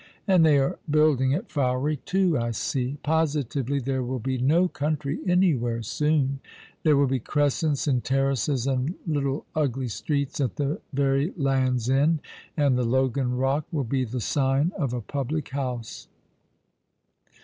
And they are building at Fowey, too, I see. Positively there will be no country anywhere soon. There will be crescents and terraces and little ugly streets at the very Land's End, and the Logan Kock will be the sign of a public house."